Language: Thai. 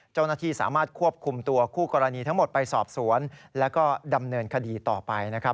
เจ้าหน้าที่สามารถควบคุมตัวคู่กรณีทั้งหมดไปสอบสวนแล้วก็ดำเนินคดีต่อไปนะครับ